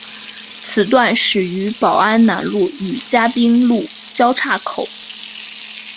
此段始于宝安南路与嘉宾路交叉口。